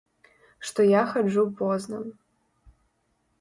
Што я хаджу позна.